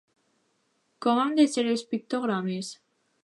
Com han de ser els pictogrames?